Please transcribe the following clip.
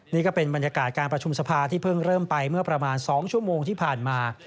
นี่ก็เป็นบรรยากาศการประชุมสภาที่เพิ่งเริ่มไปเมื่อประมาณ๒ชั่วโมงที่ผ่านมา